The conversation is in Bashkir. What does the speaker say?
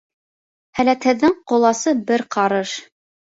Һәләтһеҙҙең ҡоласы бер ҡарыш.